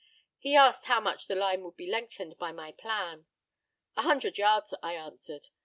He asked how much the line would be lengthened by my plan. 'A hundred yards,' I answered.